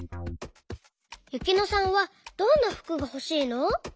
ゆきのさんはどんなふくがほしいの？